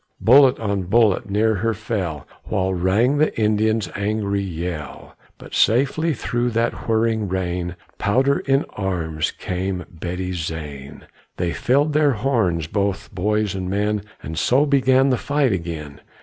Bullet on bullet near her fell, While rang the Indians' angry yell; But safely through that whirring rain, Powder in arms, came Betty Zane. They filled their horns, both boys and men, And so began the fight again.